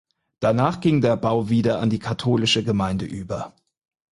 Danach ging der Bau wieder an die katholische Gemeinde über.